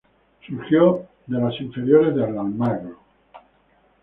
Surgió de las inferiores del Almagro.